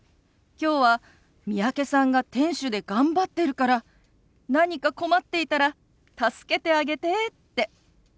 「きょうは三宅さんが店主で頑張ってるから何か困っていたら助けてあげて」って。